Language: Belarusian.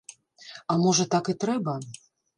А можа, так і трэба?